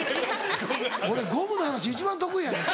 俺ゴムの話一番得意やねん。